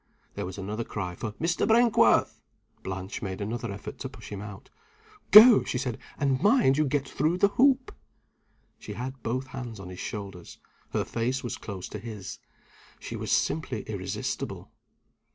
There was another cry for "Mr. Brinkworth." Blanche made another effort to push him out. "Go!" she said. "And mind you get through the hoop!" She had both hands on his shoulders her face was close to his she was simply irresistible.